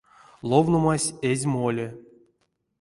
Ловномась эзь моле.